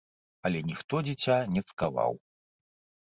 Але ніхто дзіця не цкаваў.